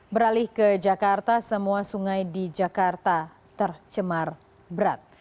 beralih ke jakarta semua sungai di jakarta tercemar berat